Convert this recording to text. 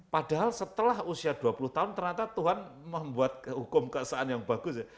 padahal setelah usia dua puluh tahun ternyata tuhan membuat hukum keaksaan yang bagus ya